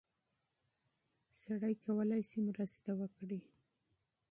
سړی کولی شي مرسته وکړي.